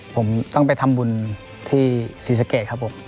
ผมต้องไปทำบุญที่ศรีสะเกดครับผม